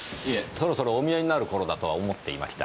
そろそろお見えになる頃だとは思っていました。